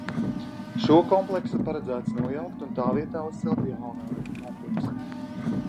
Šo kompleksu paredzēts nojaukt un tā vietā uzcelt jaunu ēku kompleksu.